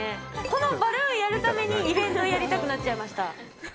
このバルーンやるためにイベントやりたくなっちゃいました。